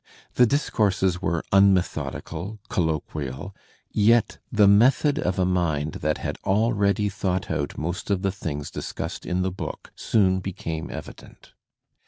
The discourses were unmethodical, colloquial, yet the method of a mind that had already thought out most of the things discussed in the book soon became evident.